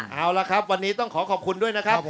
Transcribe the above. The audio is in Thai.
เอาละครับวันนี้ต้องขอขอบคุณด้วยนะครับ